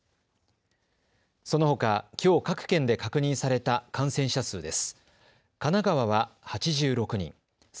そのほか、きょう各県で確認された感染者数です。